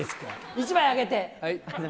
１枚あげて。